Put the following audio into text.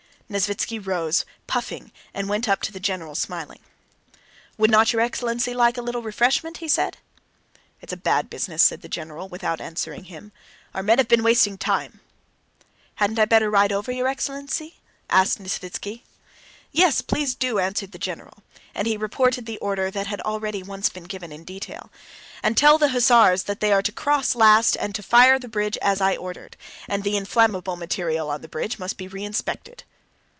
Nesvítski rose, puffing, and went up to the general, smiling. "Would not your excellency like a little refreshment?" he said. "It's a bad business," said the general without answering him, "our men have been wasting time." "Hadn't I better ride over, your excellency?" asked Nesvítski. "Yes, please do," answered the general, and he repeated the order that had already once been given in detail: "and tell the hussars that they are to cross last and to fire the bridge as I ordered; and the inflammable material on the bridge must be reinspected."